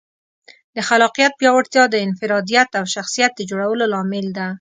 د خلاقیت پیاوړتیا د انفرادیت او شخصیت د جوړولو لامل ده.